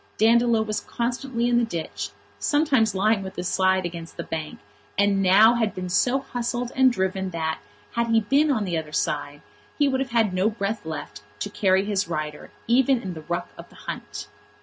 Dandolo was constantly in the ditch, sometimes lying with his side against the bank, and had now been so hustled and driven that, had he been on the other side, he would have had no breath left to carry his rider, even in the ruck of the hunt.